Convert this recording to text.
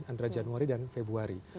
antara januari dan februari